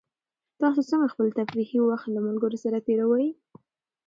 تاسو څنګه خپل تفریحي وخت له ملګرو سره تېروئ؟